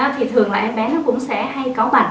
thì thường là em bé nó cũng sẽ hay có bảnh